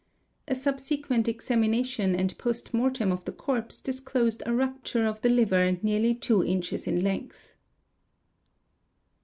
A subsequent examination and — post mortem of the corpse disclosed a rupture of the liver nearly two — inches in length.